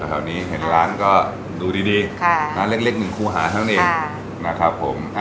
แล้วคราวนี้เห็นร้านก็ดูดีค่ะร้านเล็กหนึ่งครูหาทั้งเองค่ะนะครับผม